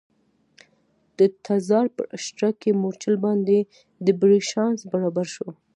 د تزار پر اشتراکي مورچل باندې د بري چانس برابر شو.